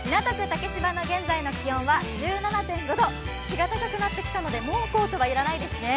竹芝の現在の気温は１７．５度、日が高くなってきたのでもうコートは要らないですね。